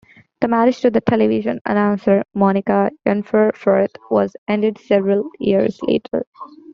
The marriage to the television announcer Monika Unferferth was ended several years later.